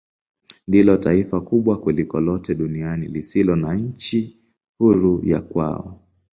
Ndilo taifa kubwa kuliko lote duniani lisilo na nchi huru ya kwao.